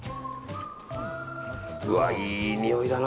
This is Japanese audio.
うわ、いいにおいだな。